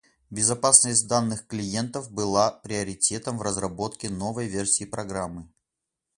Безопасность данных клиентов была приоритетом в разработке новой версии программы.